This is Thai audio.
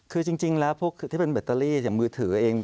คือจริงแล้วพวกที่เป็นแบตเตอรี่อย่างมือถือเอง